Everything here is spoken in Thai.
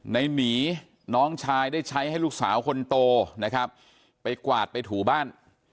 หนีน้องชายได้ใช้ให้ลูกสาวคนโตนะครับไปกวาดไปถูบ้าน